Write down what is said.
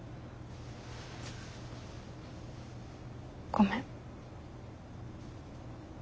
ごめん。